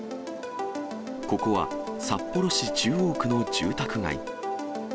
ここは、札幌市中央区の住宅街。